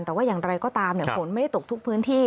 แต่ว่าอย่างไรก็ตามฝนไม่ได้ตกทุกพื้นที่